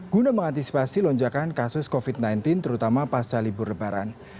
guna mengantisipasi lonjakan kasus covid sembilan belas terutama pasca libur lebaran